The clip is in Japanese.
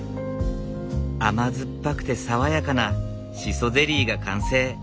甘酸っぱくて爽やかなシソゼリーが完成。